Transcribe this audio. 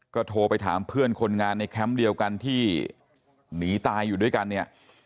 ก็โทรไปถามเพื่อนคนงานในแคมป์เดียวกันที่หนีตายอยู่ด้วยกันเนี่ย